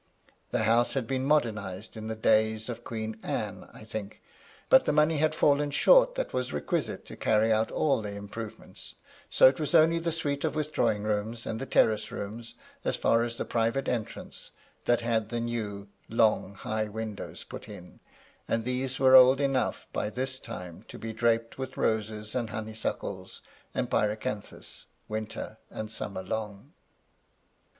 The house had been modernized in the days of Queen Anne, I think; but the. money had fallen short that was requisite to carry out all the improvements, so it was (mly the suite of withdrawing rooms and the terrace rooms, as far as the private entrance, that had the new, long, high windows put in, and these were old enough by this time to be draped with roses, and honeysuckles and pyracanthus, winter and summer long.